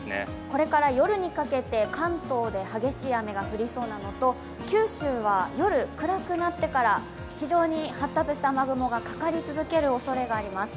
これから夜にかけて関東で激しい雨が降りそうなのと、九州は夜、暗くなってから非常に発達した雨雲がかかり続けるおそれがあります。